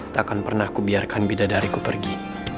takkan pernah kubiarkan bidadariku pergi